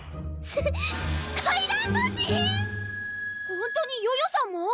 本当にヨヨさんも？